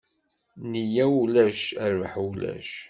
Nniya ulac, rrbaḥ ulac.